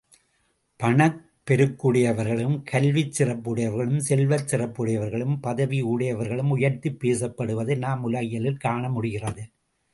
பணப்பெருக்குடையவர்களும், கல்விச் சிறப்புடையவர்களும் செல்வாக்குச் சிறப்புடையவர்களும் பதவியுயர்வுடையவர்களும் உயர்த்திப் பேசப்படுவதை நாம் உலகியலில் காணமுடிகிறது.